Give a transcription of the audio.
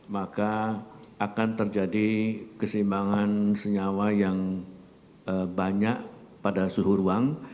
maka akan terjadi keseimbangan senyawa yang banyak pada suhu ruang